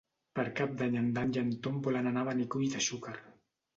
Per Cap d'Any en Dan i en Ton volen anar a Benicull de Xúquer.